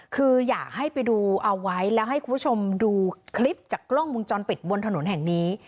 คืออยากให้ไปดูเอาไว้แล้วให้คุณผู้ชมดูคลิปจากกล้องมุมจรปิดบนถนนแห่งนี้